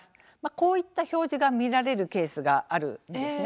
こういった表示が見られるケースがあるんですね。